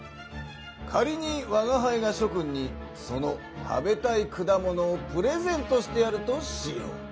かりにわがはいがしょ君にその食べたい果物をプレゼントしてやるとしよう。